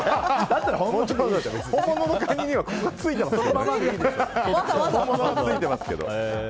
本物のカニにはくっついてますけどね。